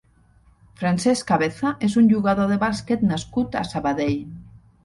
Francesc Cabeza és un jugador de bàsquet nascut a Sabadell.